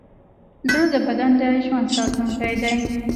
زړه د بدن د ژوند ساتونکی دی.